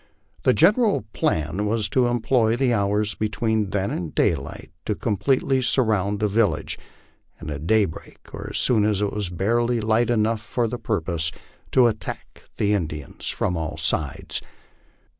The general plan was to employ the hours between then and daylight to completely surround the vil lage, and, at daybreak, or as soon as it was barely light enough for the purpose, to attack the Indians from all sides.